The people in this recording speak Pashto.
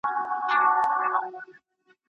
که موږ ورنه شو، بېرته موږ ته راستنیږي وطن